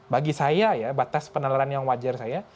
bagi saya ya batas penawaran yang wajar saya